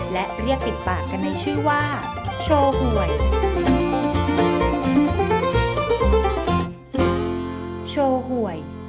และเรียกติดปากกันในชื่อว่าโชว์หวย